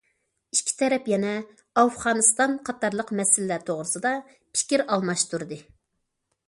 ئىككى تەرەپ يەنە ئافغانىستان قاتارلىق مەسىلىلەر توغرىسىدا پىكىر ئالماشتۇردى.